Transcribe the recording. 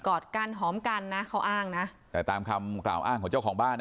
อดกันหอมกันนะเขาอ้างนะแต่ตามคำกล่าวอ้างของเจ้าของบ้านนะ